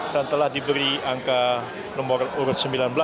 dan telah diberi angka nomor urut sembilan belas